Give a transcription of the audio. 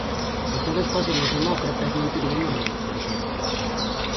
Se todos fósemos demócratas non teriamos rei, por exemplo.